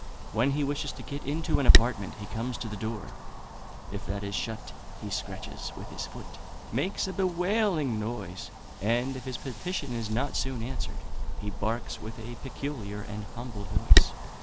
When he wishes to get into an apartment he comes to the door; if that is shut, he scratches with his foot, makes a bewailing noise, and, if his petition is not soon answered, he barks with a peculiar and humble voice.